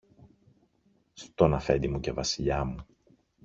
Στον Αφέντη μου και Βασιλιά μου